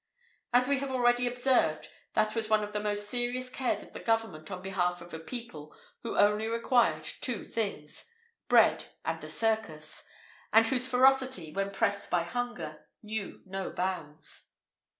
As we have already observed, that was one of the most serious cares of the government on behalf of a people who only required two things bread and the circus,[IV 56] and whose ferocity, when pressed by hunger, knew no bounds.